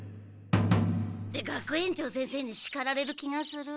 って学園長先生にしかられる気がする。